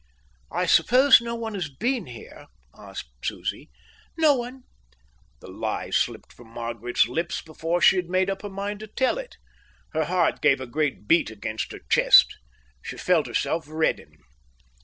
"I suppose no one has been here?" asked Susie. "No one." The lie slipped from Margaret's lips before she had made up her mind to tell it. Her heart gave a great beat against her chest. She felt herself redden.